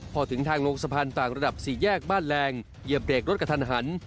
พอถึงทางลงสะพานต่างระดับสี่แยกบ้านแรงเหยียบเบรกรถกระทันหัน